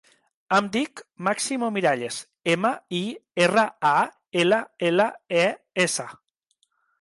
Em dic Máximo Miralles: ema, i, erra, a, ela, ela, e, essa.